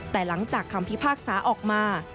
แต่หลังจากคำพิพากษาออกมา